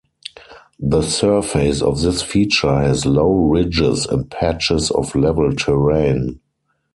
The surface of this feature has low ridges and patches of level terrain.